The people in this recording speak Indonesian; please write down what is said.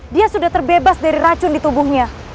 dia sudah terbebas dari racun di tubuhnya